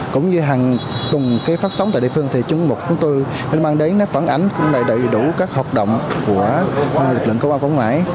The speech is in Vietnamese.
cũng như hàng tuần cái phát sóng tại địa phương thì chúng tôi mang đến phản ánh đầy đủ các hoạt động của lực lượng công an quốc ngoại